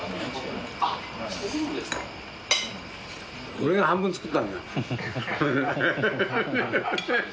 俺が半分作ったんだよ。